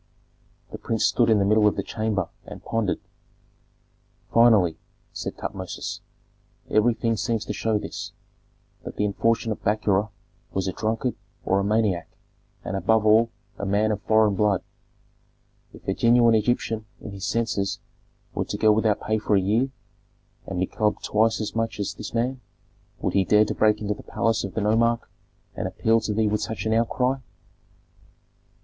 The prince stood in the middle of the chamber and pondered. "Finally," said Tutmosis, "everything seems to show this, that the unfortunate Bakura was a drunkard or a maniac, and, above all, a man of foreign blood. If a genuine Egyptian in his senses were to go without pay for a year, and be clubbed twice as much as this man, would he dare to break into the palace of the nomarch and appeal to thee with such an outcry?"